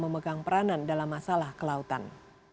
untuk pengambilan kebijaksanaan